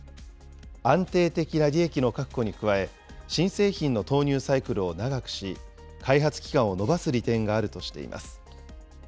安定的な利益の確保に加え、新製品の投入サイクルを長くし、開発期間を延ばす利点があるとしています。